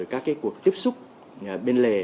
các cuộc tiếp xúc bên lề